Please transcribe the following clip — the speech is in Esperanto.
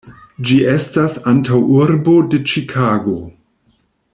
Ĝi estas antaŭurbo de Ĉikago.